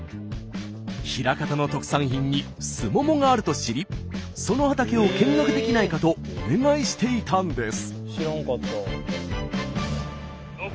枚方の特産品にすももがあると知りその畑を見学できないかとお願いしていたんです。